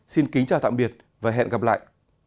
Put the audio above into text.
xin kính chào tạm biệt và hẹn gặp lại